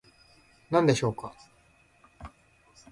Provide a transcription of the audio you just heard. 何でしょうか